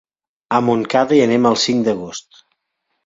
A Montcada hi anem el cinc d'agost.